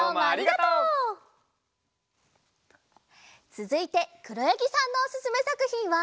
つづいてくろやぎさんのおすすめさくひんは？